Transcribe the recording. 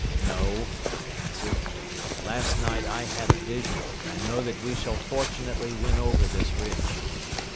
"No," I answered, "but last night I had a vision and I know that we shall fortunately win over this ridge."